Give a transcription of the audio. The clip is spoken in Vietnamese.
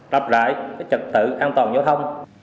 lập lại trật tự an toàn giao thông